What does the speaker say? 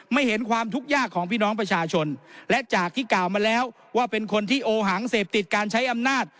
ไม่เห็นความทุกข์ยากของพี่น้องประชาชนและจากที่กล่าวมาแล้วว่าเป็นคนที่โอหังเสพติดการใช้อำนาจ